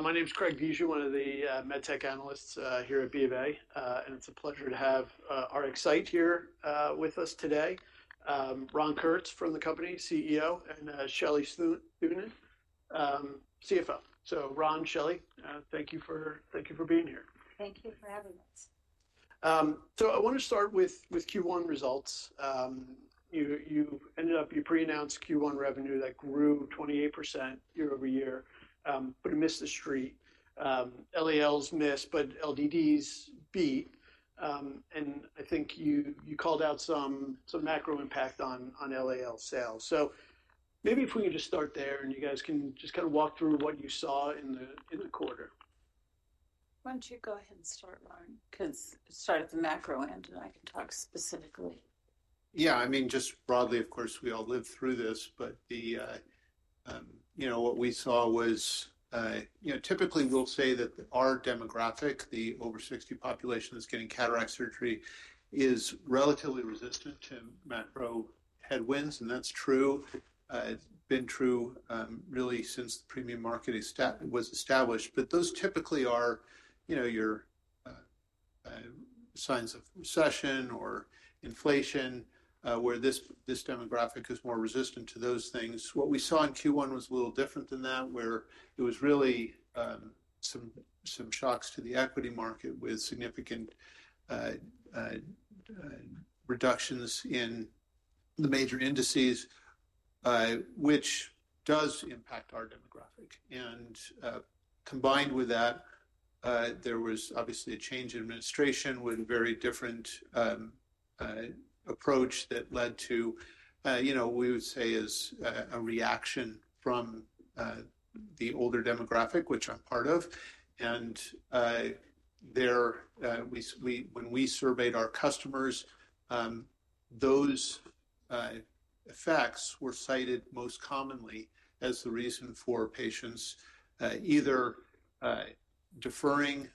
My name's Craig Vizhou, one of the Medtech analysts here at BoA, and it's a pleasure to have RxSight here with us today. Ron Kurtz from the company, CEO, and Shelley Thunen, CFO. Ron, Shelley, thank you for being here. Thank you for having us. I want to start with Q1 results. You ended up, you pre-announced Q1 revenue that grew 28% year over year, but it missed the street. LALs missed, but LDDs beat. I think you called out some macro impact on LAL sales. Maybe if we can just start there, and you guys can just kind of walk through what you saw in the quarter. Why don't you go ahead and start, Ron, because start at the macro end, and I can talk specifically. Yeah, I mean, just broadly, of course, we all lived through this, but what we saw was, typically we'll say that our demographic, the over 60 population that's getting cataract surgery, is relatively resistant to macro headwinds, and that's true. It's been true really since the premium market was established. Those typically are your signs of recession or inflation, where this demographic is more resistant to those things. What we saw in Q1 was a little different than that, where it was really some shocks to the equity market with significant reductions in the major indices, which does impact our demographic. Combined with that, there was obviously a change in administration with a very different approach that led to, we would say, a reaction from the older demographic, which I'm part of. When we surveyed our customers, those effects were cited most commonly as the reason for patients either deferring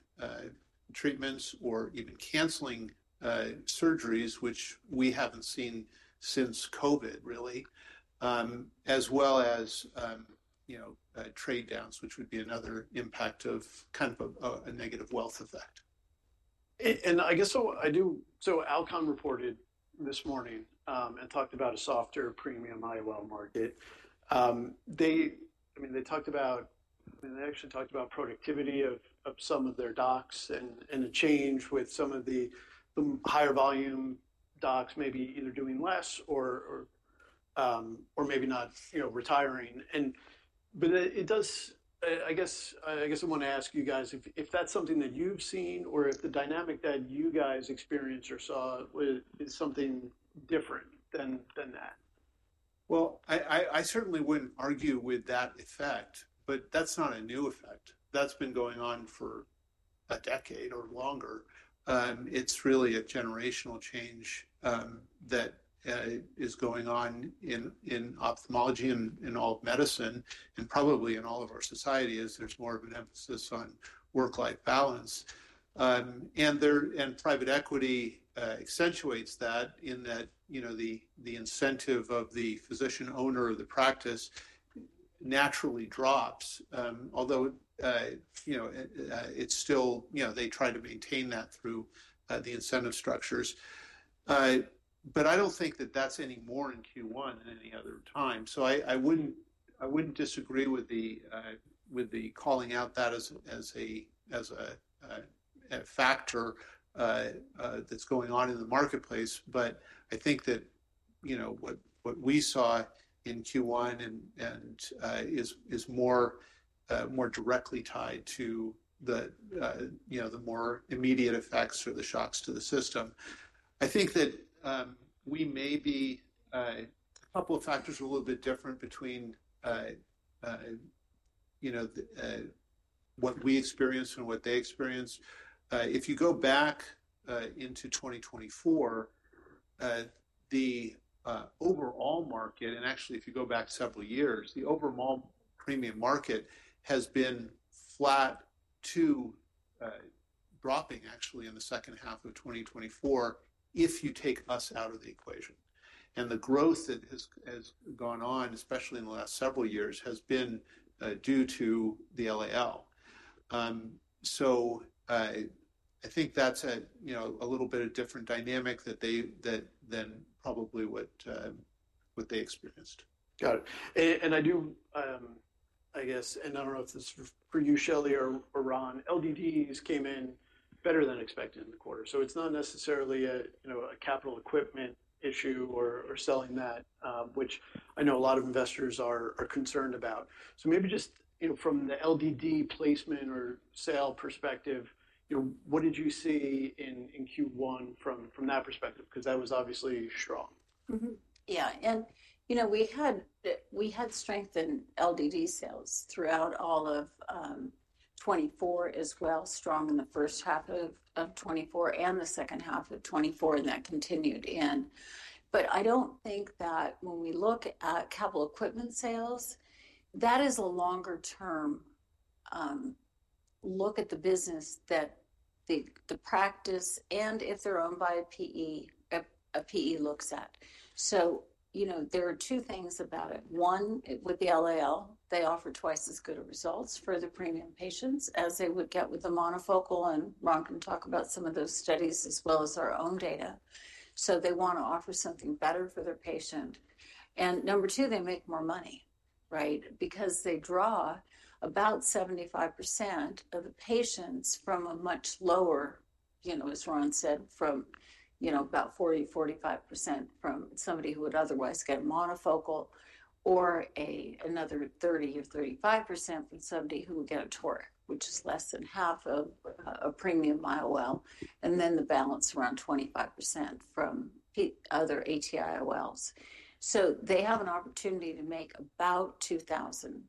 treatments or even canceling surgeries, which we have not seen since COVID, really, as well as trade downs, which would be another impact of kind of a negative wealth effect. I guess I do, so Alcon reported this morning and talked about a softer premium IOL market. I mean, they talked about, they actually talked about productivity of some of their docs and a change with some of the higher volume docs maybe either doing less or maybe not retiring. It does, I guess I want to ask you guys if that is something that you have seen or if the dynamic that you guys experienced or saw is something different than that. I certainly would not argue with that effect, but that is not a new effect. That's been going on for a decade or longer. It's really a generational change that is going on in ophthalmology and all medicine, and probably in all of our society as there's more of an emphasis on work-life balance. Private equity accentuates that in that the incentive of the physician owner of the practice naturally drops, although it's still, they try to maintain that through the incentive structures. I don't think that that's any more in Q1 than any other time. I wouldn't disagree with calling out that as a factor that's going on in the marketplace, but I think that what we saw in Q1 is more directly tied to the more immediate effects or the shocks to the system. I think that we may be a couple of factors a little bit different between what we experienced and what they experienced. If you go back into 2024, the overall market, and actually if you go back several years, the overall premium market has been flat to dropping actually in the second half of 2024 if you take us out of the equation. The growth that has gone on, especially in the last several years, has been due to the LAL. I think that is a little bit of a different dynamic than probably what they experienced. Got it. I do, I guess, and I do not know if this is for you, Shelley or Ron, LDDs came in better than expected in the quarter. It is not necessarily a capital equipment issue or selling that, which I know a lot of investors are concerned about. Maybe just from the LDD placement or sale perspective, what did you see in Q1 from that perspective? That was obviously strong. Yeah. We had strength in LDD sales throughout all of 2024 as well, strong in the first half of 2024 and the second half of 2024, and that continued in. I don't think that when we look at capital equipment sales, that is a longer-term look at the business that the practice and if they're owned by a PE, a PE looks at. There are 2 things about it. One, with the LAL, they offer twice as good results for the premium patients as they would get with the Monofocal, and Ron can talk about some of those studies as well as our own data. They want to offer something better for their patient. Number 2, they make more money, right? Because they draw about 75% of the patients from a much lower, as Ron said, from about 40-45% from somebody who would otherwise get a Monofocal or another 30-35% from somebody who would get a toric, which is less than half of a premium IOL, and then the balance around 25% from other ATIOLs. They have an opportunity to make about $2,000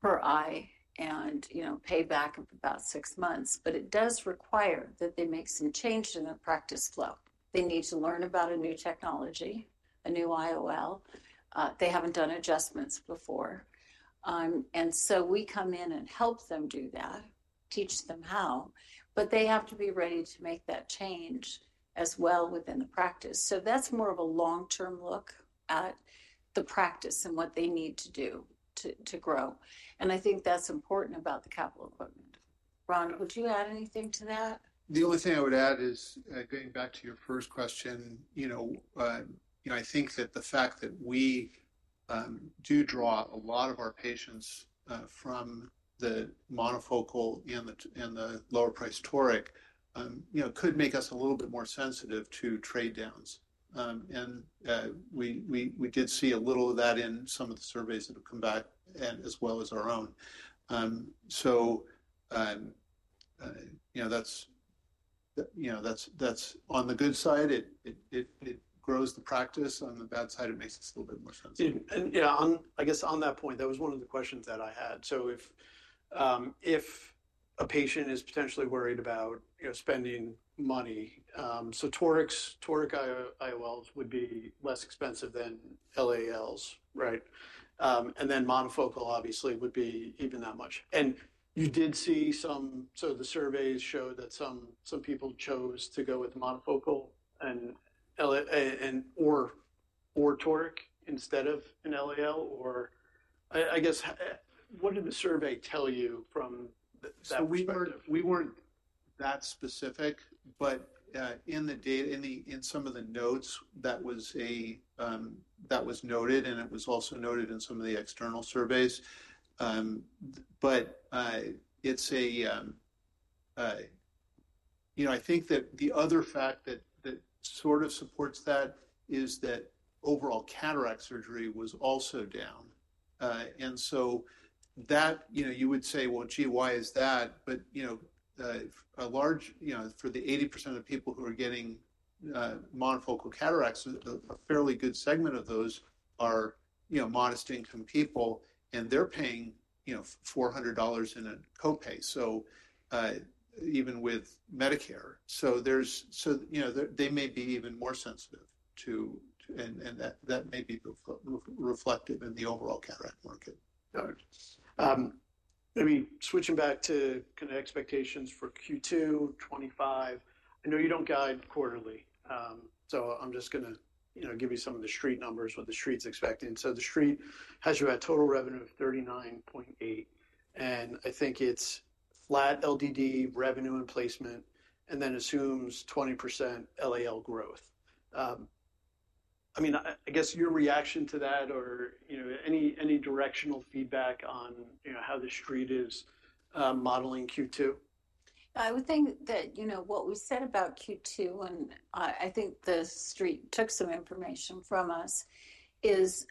per eye and pay back of about 6 months, but it does require that they make some change in their practice flow. They need to learn about a new technology, a new IOL. They haven't done adjustments before. We come in and help them do that, teach them how, but they have to be ready to make that change as well within the practice. That is more of a long-term look at the practice and what they need to do to grow. I think that's important about the capital equipment. Ron, would you add anything to that? The only thing I would add is getting back to your first question, I think that the fact that we do draw a lot of our patients from the Monofocal and the lower-priced toric could make us a little bit more sensitive to trade downs. We did see a little of that in some of the surveys that have come back as well as our own. That is on the good side. It grows the practice. On the bad side, it makes us a little bit more sensitive. Yeah, I guess on that point, that was one of the questions that I had. If a patient is potentially worried about spending money, toric IOLs would be less expensive than LALs, right? Monofocal obviously would be even that much. You did see some, so the surveys showed that some people chose to go with Monofocal or toric instead of an LAL, or I guess what did the survey tell you from that perspective? We were not that specific, but in some of the notes, that was noted, and it was also noted in some of the external surveys. I think that the other fact that sort of supports that is that overall cataract surgery was also down. You would say, gee, why is that? For the 80% of the people who are getting Monofocal cataracts, a fairly good segment of those are modest income people, and they are paying $400 in a copay, even with Medicare. They may be even more sensitive, and that may be reflected in the overall cataract market. Got it. I mean, switching back to kind of expectations for Q2 2025, I know you don't guide quarterly, so I'm just going to give you some of the street numbers, what the street's expecting. The street has you at total revenue of $39.8 million, and I think it's flat LDD revenue and placement, and then assumes 20% LAL growth. I mean, I guess your reaction to that or any directional feedback on how the street is modeling Q2? I would think that what we said about Q2, and I think the street took some information from us, is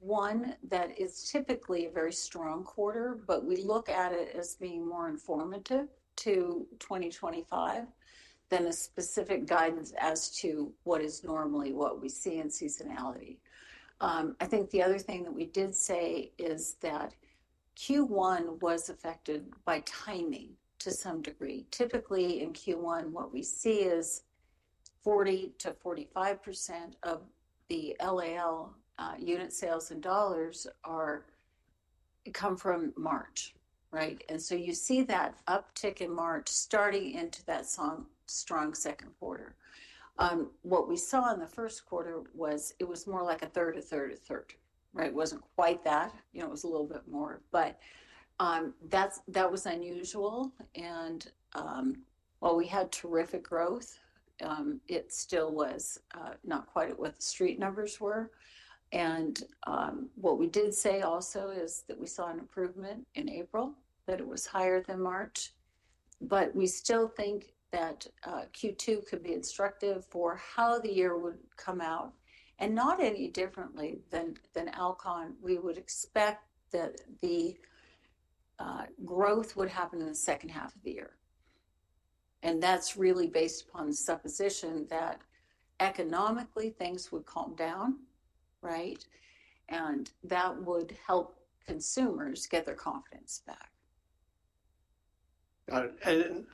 one, that it's typically a very strong quarter, but we look at it as being more informative to 2025 than a specific guidance as to what is normally what we see in seasonality. I think the other thing that we did say is that Q1 was affected by timing to some degree. Typically in Q1, what we see is 40-45% of the LAL unit sales in dollars come from March, right? You see that uptick in March starting into that strong second quarter. What we saw in the first quarter was it was more like a third, a third, a third, right? It wasn't quite that. It was a little bit more, but that was unusual. While we had terrific growth, it still was not quite what the street numbers were. What we did say also is that we saw an improvement in April, that it was higher than March. We still think that Q2 could be instructive for how the year would come out. Not any differently than Alcon, we would expect that the growth would happen in the second half of the year. That is really based upon the supposition that economically things would calm down, right? That would help consumers get their confidence back. Got it.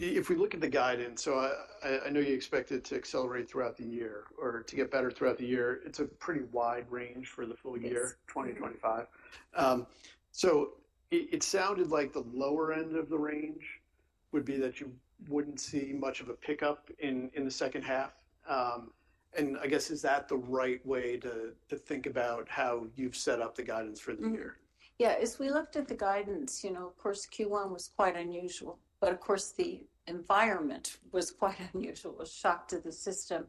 If we look at the guidance, I know you expect it to accelerate throughout the year or to get better throughout the year. It's a pretty wide range for the full year 2025. It sounded like the lower end of the range would be that you wouldn't see much of a pickup in the second half. I guess is that the right way to think about how you've set up the guidance for the year? Yeah. As we looked at the guidance, of course, Q1 was quite unusual, but of course, the environment was quite unusual, a shock to the system.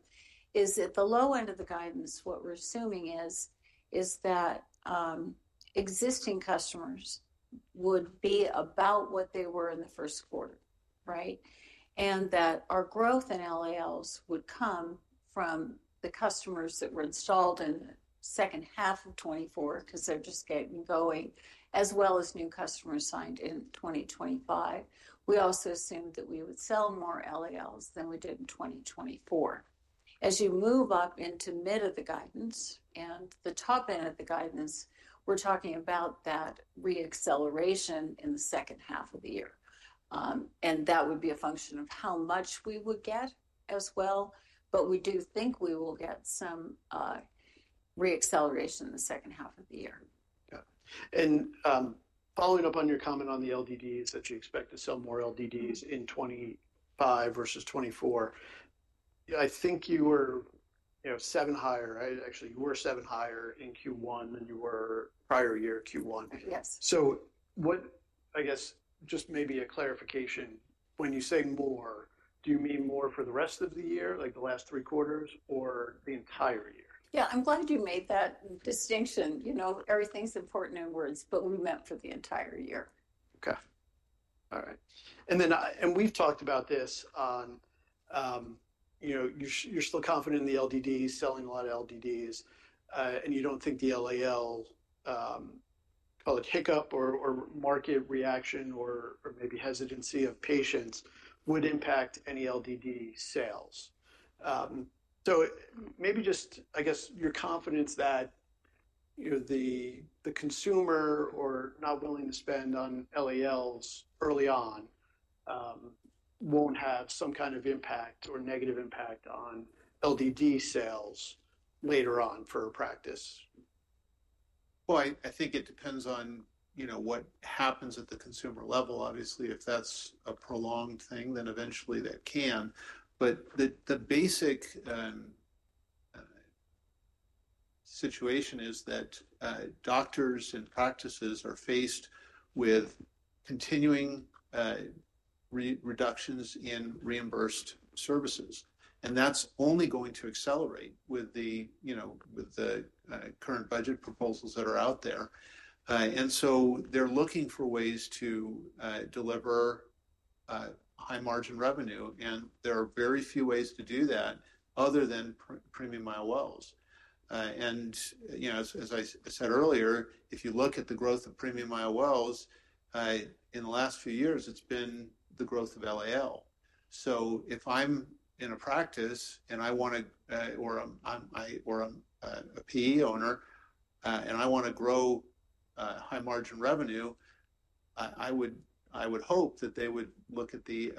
Is at the low end of the guidance, what we're assuming is that existing customers would be about what they were in the first quarter, right? And that our growth in LALs would come from the customers that were installed in the second half of 2024 because they're just getting going, as well as new customers signed in 2025. We also assumed that we would sell more LALs than we did in 2024. As you move up into mid of the guidance and the top end of the guidance, we're talking about that re-acceleration in the second half of the year. That would be a function of how much we would get as well, but we do think we will get some re-acceleration in the second half of the year. Yeah. Following up on your comment on the LDDs, that you expect to sell more LDDs in 2025 versus 2024, I think you were seven higher, right? Actually, you were seven higher in Q1 than you were prior year Q1. Yes. I guess just maybe a clarification. When you say more, do you mean more for the rest of the year, like the last three quarters or the entire year? Yeah. I'm glad you made that distinction. Everything's important in words, but we meant for the entire year. Okay. All right. We've talked about this. You're still confident in the LDDs, selling a lot of LDDs, and you don't think the LAL, call it hiccup or market reaction or maybe hesitancy of patients, would impact any LDD sales. Maybe just, I guess, your confidence that the consumer or not willing to spend on LALs early on won't have some kind of impact or negative impact on LDD sales later on for a practice. I think it depends on what happens at the consumer level. Obviously, if that's a prolonged thing, then eventually that can. The basic situation is that doctors and practices are faced with continuing reductions in reimbursed services. That is only going to accelerate with the current budget proposals that are out there. They are looking for ways to deliver high margin revenue, and there are very few ways to do that other than premium IOLs. As I said earlier, if you look at the growth of premium IOLs in the last few years, it has been the growth of LAL. If I'm in a practice and I want to, or I'm a PE owner and I want to grow high margin revenue, I would hope that they would look at the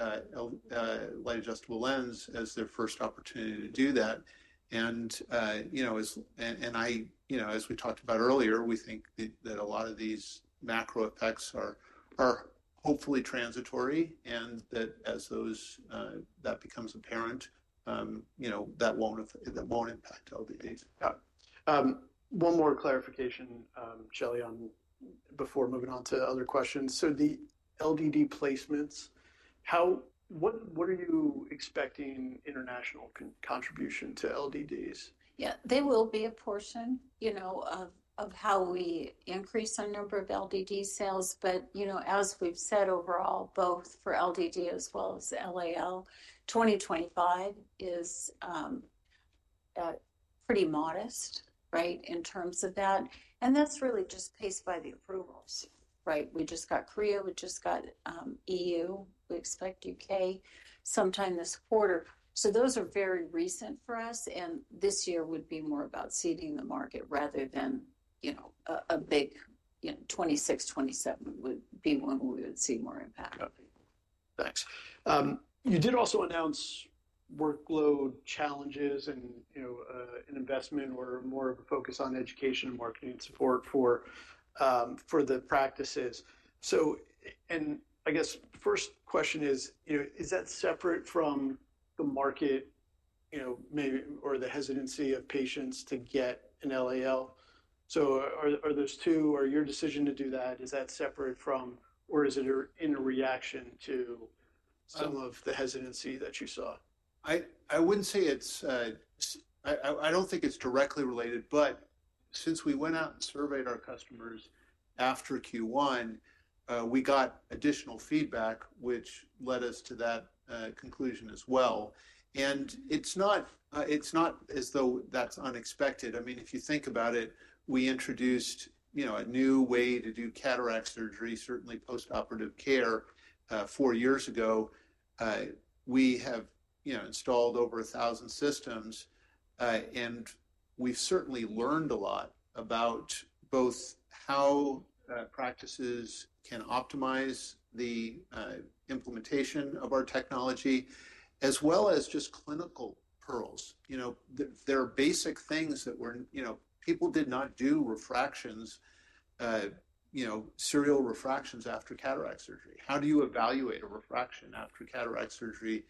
Light Adjustable Lens as their first opportunity to do that. As we talked about earlier, we think that a lot of these macro effects are hopefully transitory and that as that becomes apparent, that won't impact LDDs. One more clarification, Shelley, before moving on to other questions. The LDD placements, what are you expecting international contribution to LDDs? Yeah. They will be a portion of how we increase our number of LDD sales. As we've said overall, both for LDD as well as LAL, 2025 is pretty modest, right, in terms of that. That is really just paced by the approvals, right? We just got Korea, we just got EU, we expect U.K. sometime this quarter. Those are very recent for us, and this year would be more about seeding the market rather than a big 2026-2027 would be when we would see more impact. Thanks. You did also announce workload challenges and an investment or more of a focus on education and marketing support for the practices. I guess the first question is, is that separate from the market or the hesitancy of patients to get an LAL? Are those 2, or your decision to do that, is that separate from, or is it in a reaction to some of the hesitancy that you saw? I wouldn't say it's, I don't think it's directly related, but since we went out and surveyed our customers after Q1, we got additional feedback, which led us to that conclusion as well. It's not as though that's unexpected. I mean, if you think about it, we introduced a new way to do cataract surgery, certainly post-operative care, 4 years ago. We have installed over 1,000 systems, and we've certainly learned a lot about both how practices can optimize the implementation of our technology, as well as just clinical pearls. There are basic things that people did not do, refractions, serial refractions after cataract surgery. How do you evaluate a refraction after cataract surgery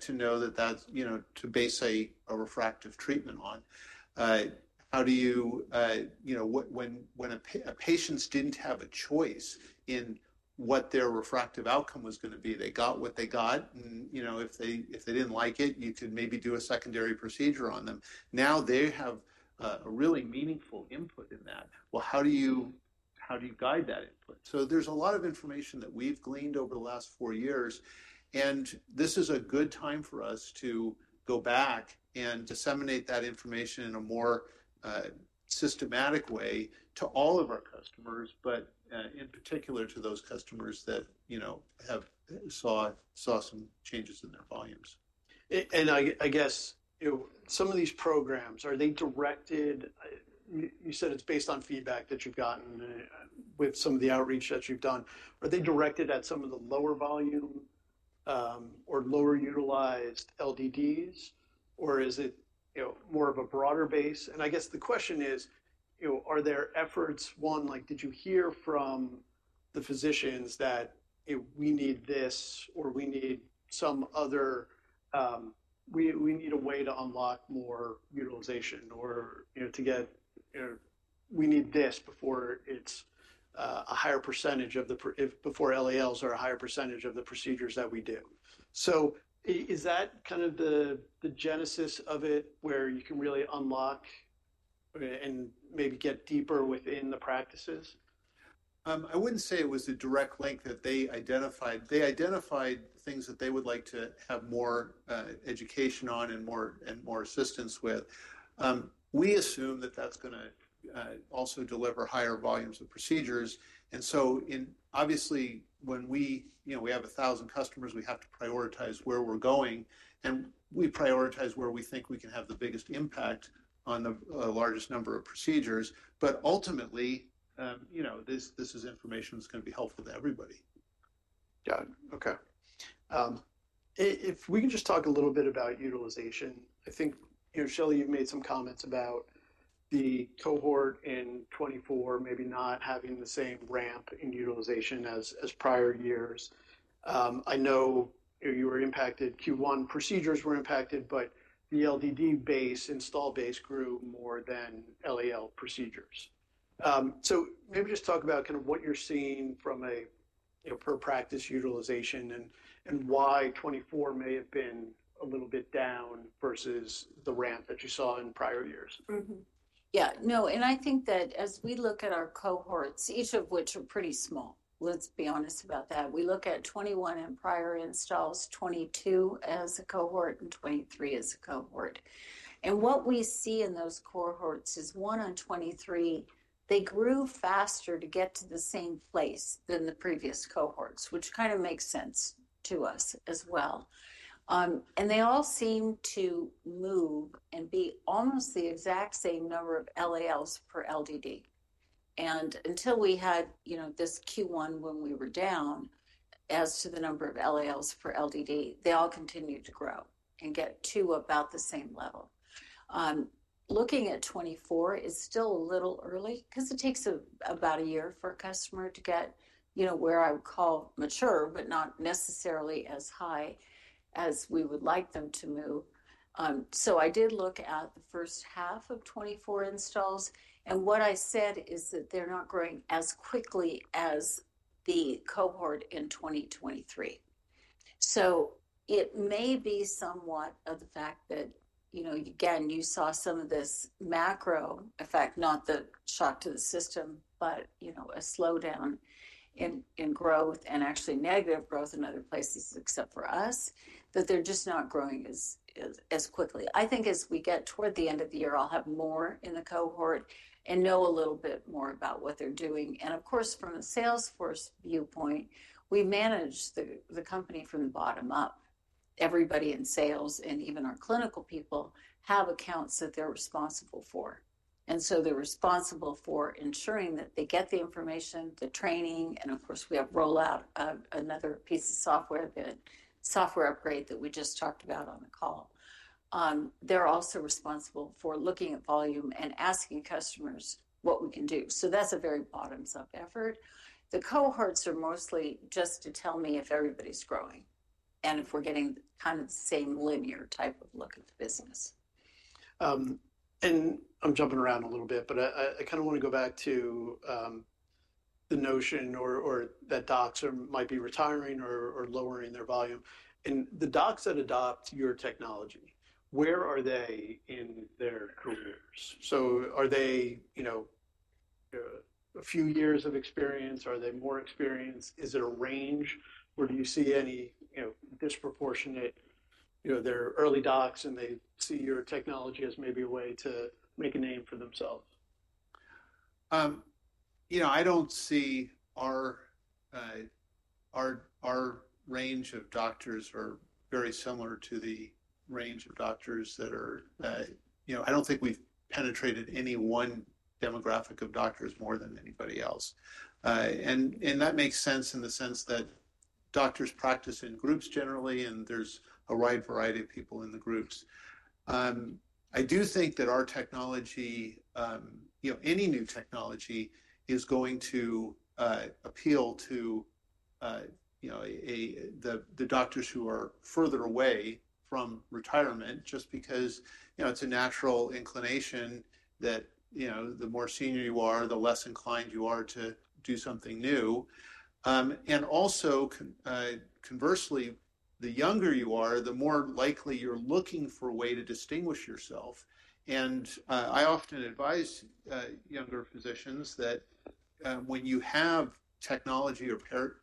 to know that that's to base a refractive treatment on? How do you, when patients didn't have a choice in what their refractive outcome was going to be, they got what they got. If they did not like it, you could maybe do a secondary procedure on them. Now they have a really meaningful input in that. How do you guide that input? There is a lot of information that we have gleaned over the last 4 years, and this is a good time for us to go back and disseminate that information in a more systematic way to all of our customers, but in particular to those customers that have seen some changes in their volumes. I guess some of these programs, are they directed? You said it's based on feedback that you've gotten with some of the outreach that you've done. Are they directed at some of the lower volume or lower utilized LDDs, or is it more of a broader base? I guess the question is, are there efforts, one, like did you hear from the physicians that we need this or we need some other, we need a way to unlock more utilization or to get, we need this before it's a higher percentage of the, before LALs are a higher percentage of the procedures that we do. Is that kind of the genesis of it where you can really unlock and maybe get deeper within the practices? I wouldn't say it was the direct link that they identified. They identified things that they would like to have more education on and more assistance with. We assume that that's going to also deliver higher volumes of procedures. Obviously, when we have a thousand customers, we have to prioritize where we're going, and we prioritize where we think we can have the biggest impact on the largest number of procedures. Ultimately, this is information that's going to be helpful to everybody. Got it. Okay. If we can just talk a little bit about utilization. I think, Shelley, you've made some comments about the cohort in 2024 maybe not having the same ramp in utilization as prior years. I know you were impacted, Q1 procedures were impacted, but the LDD base, install base grew more than LAL procedures. Maybe just talk about kind of what you're seeing from a per practice utilization and why 2024 may have been a little bit down versus the ramp that you saw in prior years. Yeah. No, I think that as we look at our cohorts, each of which are pretty small, let's be honest about that. We look at 2021 and prior installs, 2022 as a cohort, and 2023 as a cohort. What we see in those cohorts is, one, on 2023, they grew faster to get to the same place than the previous cohorts, which kind of makes sense to us as well. They all seem to move and be almost the exact same number of LALs per LDD. Until we had this Q1 when we were down as to the number of LALs per LDD, they all continued to grow and get to about the same level. Looking at 2024, it's still a little early because it takes about a year for a customer to get where I would call mature, but not necessarily as high as we would like them to move. I did look at the first half of 2024 installs, and what I said is that they're not growing as quickly as the cohort in 2023. It may be somewhat of the fact that, again, you saw some of this macro effect, not the shock to the system, but a slowdown in growth and actually negative growth in other places except for us, that they're just not growing as quickly. I think as we get toward the end of the year, I'll have more in the cohort and know a little bit more about what they're doing. Of course, from a Salesforce viewpoint, we manage the company from the bottom up. Everybody in sales and even our clinical people have accounts that they're responsible for. They are responsible for ensuring that they get the information, the training, and of course, we have rollout of another piece of software, the software upgrade that we just talked about on the call. They are also responsible for looking at volume and asking customers what we can do. That is a very bottoms-up effort. The cohorts are mostly just to tell me if everybody's growing and if we're getting kind of the same linear type of look at the business. I'm jumping around a little bit, but I kind of want to go back to the notion that docs might be retiring or lowering their volume. The docs that adopt your technology, where are they in their careers? Are they a few years of experience? Are they more experienced? Is there a range? Or do you see any disproportionate? They're early docs and they see your technology as maybe a way to make a name for themselves. I don't see our range of doctors are very similar to the range of doctors that are. I don't think we've penetrated any one demographic of doctors more than anybody else. That makes sense in the sense that doctors practice in groups generally, and there's a wide variety of people in the groups. I do think that our technology, any new technology, is going to appeal to the doctors who are further away from retirement just because it's a natural inclination that the more senior you are, the less inclined you are to do something new. Also, conversely, the younger you are, the more likely you're looking for a way to distinguish yourself. I often advise younger physicians that when you have technology or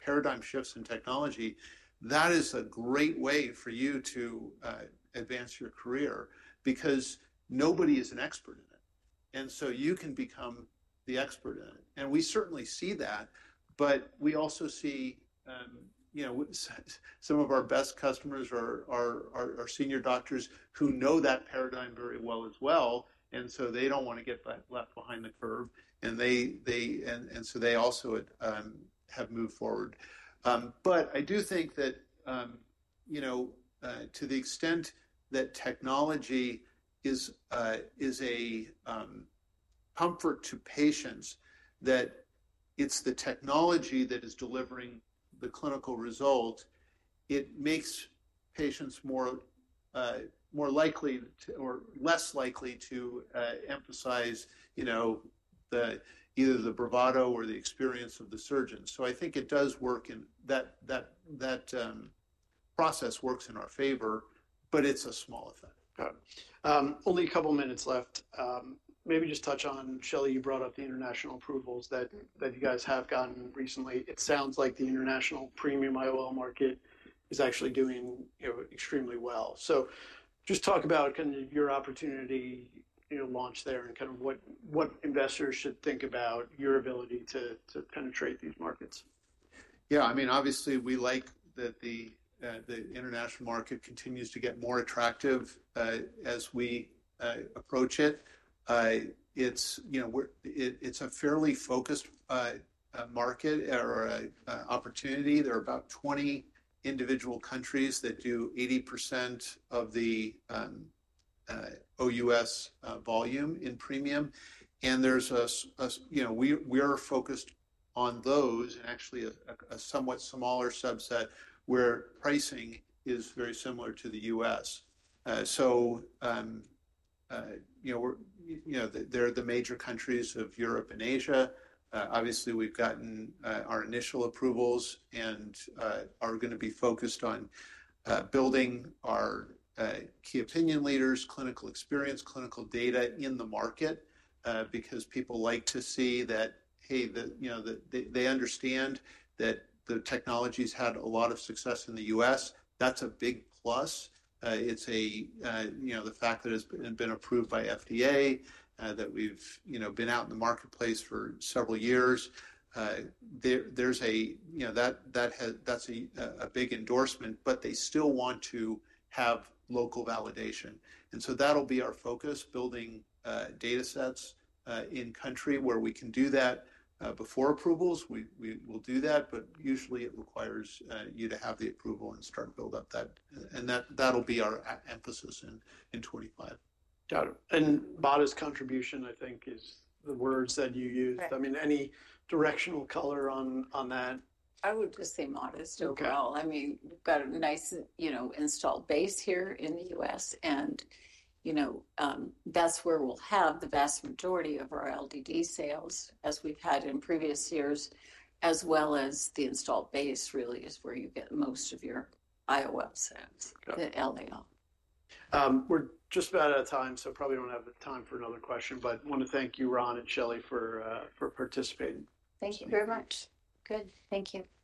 paradigm shifts in technology, that is a great way for you to advance your career because nobody is an expert in it. You can become the expert in it. We certainly see that, but we also see some of our best customers are senior doctors who know that paradigm very well as well. They do not want to get left behind the curve. They also have moved forward. I do think that to the extent that technology is a comfort to patients, that it is the technology that is delivering the clinical result, it makes patients more likely or less likely to emphasize either the bravado or the experience of the surgeon. I think it does work in that process, works in our favor, but it is a small effect. Got it. Only a couple of minutes left. Maybe just touch on, Shelley, you brought up the international approvals that you guys have gotten recently. It sounds like the international premium IOL market is actually doing extremely well. Just talk about kind of your opportunity launch there and kind of what investors should think about your ability to penetrate these markets. Yeah. I mean, obviously, we like that the international market continues to get more attractive as we approach it. It's a fairly focused market or opportunity. There are about 20 individual countries that do 80% of the OUS volume in premium. And we are focused on those and actually a somewhat smaller subset where pricing is very similar to the U.S.. They are the major countries of Europe and Asia. Obviously, we've gotten our initial approvals and are going to be focused on building our key opinion leaders, clinical experience, clinical data in the market because people like to see that, hey, they understand that the technology's had a lot of success in the U.S.. That's a big plus. It's the fact that it's been approved by FDA, that we've been out in the marketplace for several years. That's a big endorsement, but they still want to have local validation. That will be our focus, building data sets in country where we can do that before approvals. We will do that, but usually it requires you to have the approval and start to build up that. That will be our emphasis in 2025. Got it. Modest contribution, I think, is the words that you used. I mean, any directional color on that? I would just say modest overall. I mean, we've got a nice installed base here in the U.S., and that's where we'll have the vast majority of our LDD sales as we've had in previous years, as well as the installed base really is where you get most of your IOL sets, the LAL. We're just about out of time, so probably don't have time for another question, but I want to thank you, Ron and Shelley, for participating. Thank you very much. Good. Thank you.